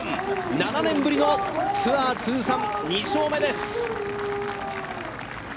７年ぶりのツアー通算２勝目です。